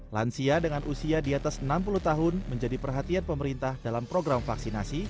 lansia dengan usia di atas enam puluh tahun menjadi perhatian pemerintah dalam program vaksinasi